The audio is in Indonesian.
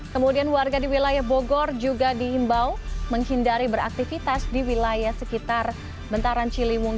kemudian warga di wilayah bogor juga diimbau menghindari beraktivitas di wilayah sekitar bentaran ciliwung